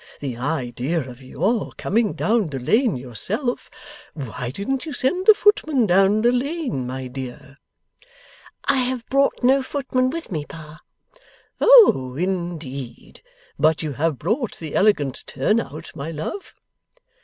The idea of your coming down the Lane yourself! Why didn't you send the footman down the Lane, my dear?' 'I have brought no footman with me, Pa.' 'Oh indeed! But you have brought the elegant turn out, my love?